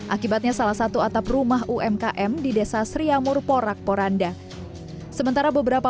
akibatnya salah satu atap rumah umkm di desa sriamur porak poranda sementara beberapa